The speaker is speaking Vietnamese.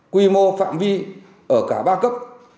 quy mô phạm vi ở cả ba cấp